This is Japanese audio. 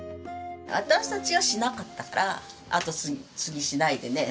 私たちはしなかったから後継ぎしないでね